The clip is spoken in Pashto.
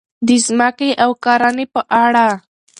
د ځمکې او کرنې په اړه: